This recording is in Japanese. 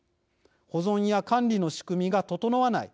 保存や管理の仕組みが整わない。